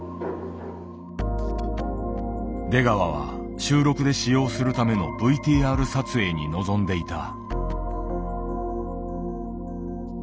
出川は収録で使用するためのＶＴＲ撮影に臨んでいた。